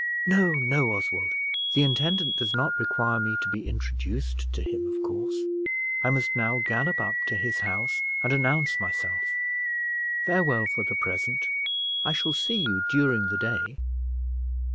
"No, no, Oswald; the intendant does not require me to be introduced to him, of course. I must now gallop up to his house and announce myself. Farewell for the present I shall see you during the day."